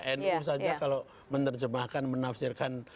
dan itu saja kalau menerjemahkan menafsirkan